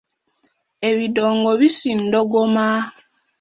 Ebidongo bisindogoma.